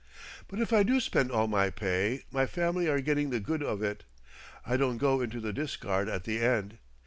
But if I do spend all my pay, my family are getting the good of it, I don't go into the discard at the end.